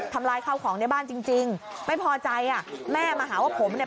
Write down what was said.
ทำร้ายข้าวของในบ้านจริงจริงไม่พอใจอ่ะแม่มาหาว่าผมเนี่ย